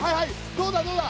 どうだどうだ？